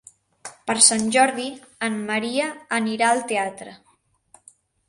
Per Sant Jordi en Maria anirà al teatre.